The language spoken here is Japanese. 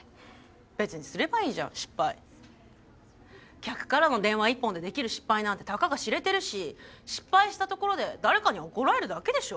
客からの電話一本でできる失敗なんてたかが知れてるし失敗したところで誰かに怒られるだけでしょ？